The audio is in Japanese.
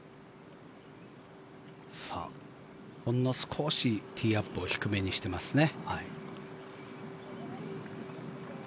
ほんの少しティーアップを低めにしていますね。